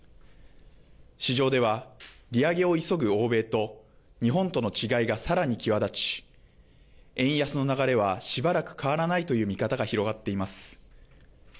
市場では利上げを急ぐ欧米と日本との違いがさらに際立ち円安の流れはしばらく変わらないという見方が広がっています。